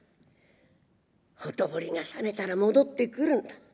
ほとぼりが覚めたら戻ってくるんだ。